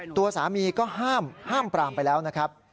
ตัวสามีก็ห้ามปรามไปแล้วนะครับ